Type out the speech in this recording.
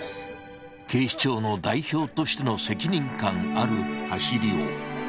警視庁の代表としての責任感ある走りを。